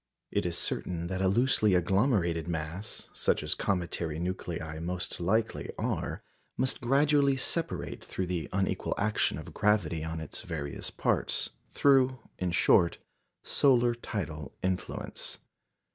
It is certain that a loosely agglomerated mass (such as cometary nuclei most likely are) must gradually separate through the unequal action of gravity on its various parts through, in short, solar tidal influence.